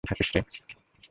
সাবধান থাকিস রে!